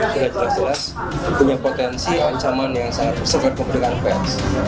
terlihat jelas jelas punya potensi ancaman yang sangat besar kepada pemberitaan pers